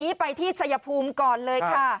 นี้ไปที่ชัยภูมิก่อนเลยค่ะ